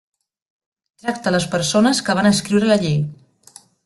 Tracta les persones que van escriure la llei.